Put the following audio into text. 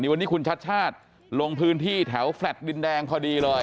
วันนี้คุณชัดชาติลงพื้นที่แถวแฟลต์ดินแดงพอดีเลย